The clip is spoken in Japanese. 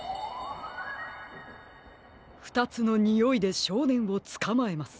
ふたつのにおいでしょうねんをつかまえます。